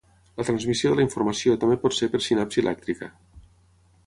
La transmissió de la informació també pot ser per sinapsi elèctrica.